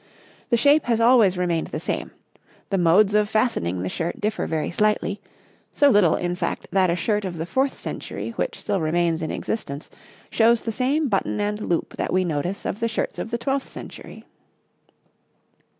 The shape has always remained the same; the modes of fastening the shirt differ very slightly so little, in fact, that a shirt of the fourth century which still remains in existence shows the same button and loop that we notice of the shirts of the twelfth century.